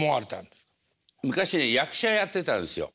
昔は役者やってたんですよ。